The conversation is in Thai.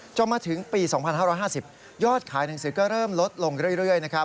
จนมาถึงปี๒๕๕๐ยอดขายหนังสือก็เริ่มลดลงเรื่อยนะครับ